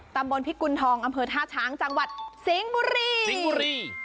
ตำบลพิกุณฑองอำเภอท่าช้างจังหวัดสิงห์บุรีสิงห์บุรี